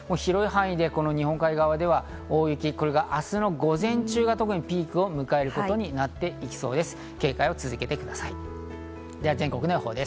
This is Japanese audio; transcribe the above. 広い範囲で日本海側では大雪、これが明日の午前中が特にピークを迎えることになっていきそうです。